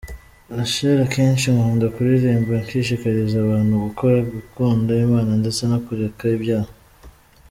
Rachel: Akenshi nkunda kuririmba nshishikariza abantu gukora, Gukunda Imana ndetse no Kureka ibyaha.